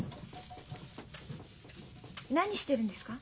何してるんですか？